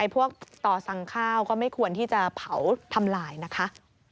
พวกต่อสั่งข้าวก็ไม่ควรที่จะเผาทำลายนะคะ